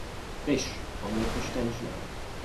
Veš, on je pošten človek.